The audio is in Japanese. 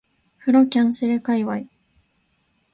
風呂キャンセル界隈